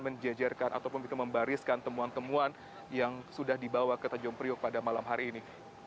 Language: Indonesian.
menjejerkan ataupun membariskan temuan temuan yang sudah dibawa ke tanjung priok pada malam hari ini